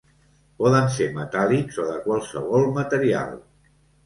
Poden ser metàl·lics o de qualsevol material.